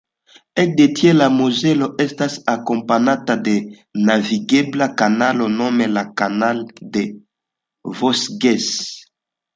Ekde tie la Mozelo estas akompanata de navigebla kanalo, nome la Canal des Vosges.